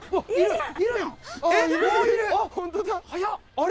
あれ？